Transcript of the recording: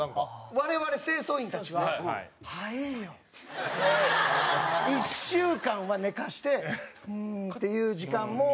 我々清掃員たちは１週間は寝かせてうーんっていう時間も。